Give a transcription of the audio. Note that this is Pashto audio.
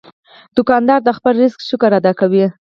دوکاندار د خپل رزق شکر ادا کوي.